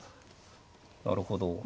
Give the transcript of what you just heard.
なるほど。